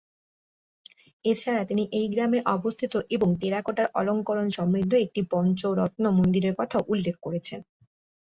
এছাড়া তিনি এই গ্রামে অবস্থিত এবং টেরাকোটার অলংকরণ সমৃদ্ধ একটি পঞ্চরত্ন মন্দিরের কথাও উল্লেখ করেছেন।